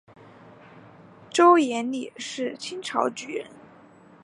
周廷励是清朝举人。